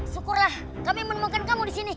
syukurlah kami menemukan kamu di sini